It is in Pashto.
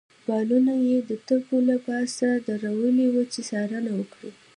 بالونونه يې د تپو له پاسه درولي ول، چې څارنه وکړي.